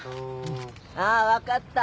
ああわかった。